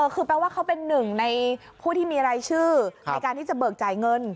คือแปลว่าเขาเป็นหนึ่งในผู้ที่มีรายชื่อในการที่จะเบิกจ่ายเงิน